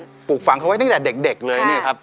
ปลูกฝังเขาไว้ตั้งแต่เด็กเลยเนี่ยครับ